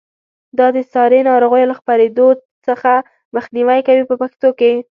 دا د ساري ناروغیو له خپرېدو څخه مخنیوی کوي په پښتو کې.